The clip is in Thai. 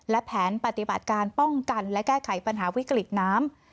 และแผนปฏิบัติการป้องกันและแก้ไขปัญหาวิกฤตน้ำ